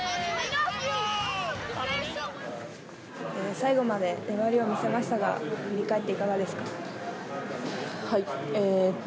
最後まで粘りを見せましたが振り返って、いかがですか？